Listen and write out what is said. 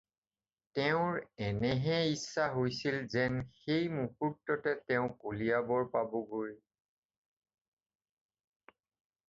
তেওঁৰ এনেহে ইচ্ছা হৈছিল যেন সেই মুহূৰ্ত্ততে তেওঁ কলিয়াৰৰ পাবগৈ।